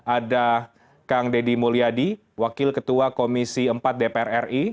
ada kang deddy mulyadi wakil ketua komisi empat dpr ri